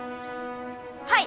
はい！